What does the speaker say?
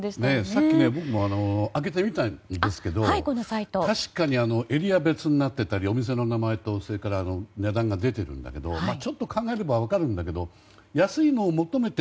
さっき、僕もこのサイトを開けてみたけど確かにエリア別になってたりお店の名前と値段が出てるんだけどちょっと考えれば分かるんだけど安いものを求めて